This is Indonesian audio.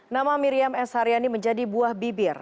nama miriam s haryani menjadi buah bibir